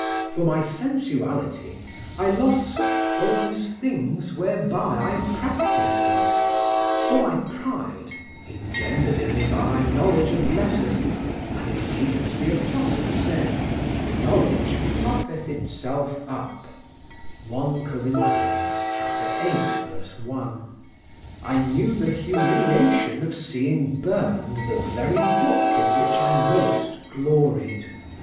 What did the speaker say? For my sensuality I lost those things whereby I practiced it; for my pride, engendered in me by my knowledge of letters and it is even as the Apostle said: "Knowledge puffeth itself up" (I Cor. viii, 1) I knew the humiliation of seeing burned the very book in which I most gloried.